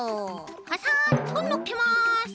ふぁさっとのっけます。